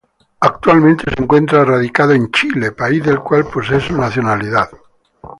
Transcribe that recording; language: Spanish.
Actualmente se encuentra radicado en Chile, país del cual posee su nacionalidad.